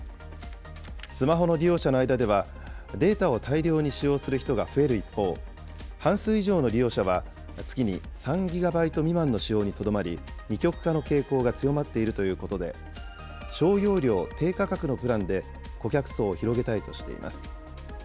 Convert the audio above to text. スマホの利用者の間では、データを大量に使用する人が増える一方、半数以上の利用者は月に３ギガバイト未満の使用にとどまり、二極化の傾向が強まっているということで、小容量・低価格のプランで顧客層を広げたいとしています。